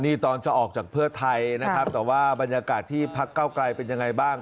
นี่ตอนจะออกจากเพื่อไทยนะครับแต่ว่าบรรยากาศที่พักเก้าไกลเป็นยังไงบ้าง